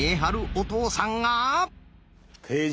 お父さん。